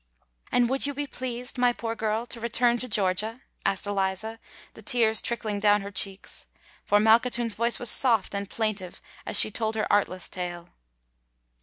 "And would you be pleased, my poor girl, to return to Georgia?" asked Eliza, the tears trickling down her cheeks—for Malkhatoun's voice was soft and plaintive as she told her artless tale.